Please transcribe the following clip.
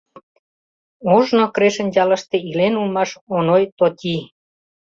— Ожно Крешын ялыште илен улмаш Оной Тоти.